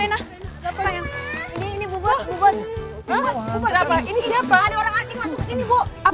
ada orang asing masuk ke sini bu